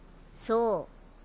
そう。